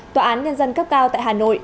tòa án nhân dân cấp cao tại hà nội